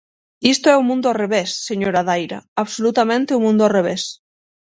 Isto é o mundo ao revés, señora Daira, absolutamente o mundo ao revés.